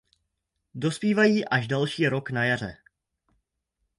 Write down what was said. Dospívají až další rok na jaře.